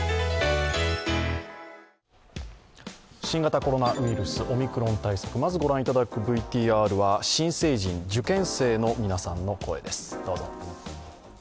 新型コロナウイルス、オミクロン対策、まず御覧いただくＶＴＲは新成人、受験生の皆さんの声です。